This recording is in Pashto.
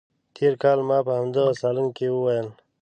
تېر کال ما په همدغه صالون کې وویل.